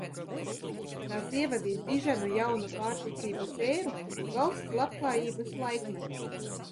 Tās ievadīs diženu jaunu pārticības ēru, valsts labklājības laikmetu!